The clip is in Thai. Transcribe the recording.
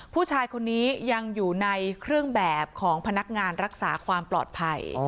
ผู้ชายคนนี้ยังอยู่ในเครื่องแบบของพนักงานรักษาความปลอดภัย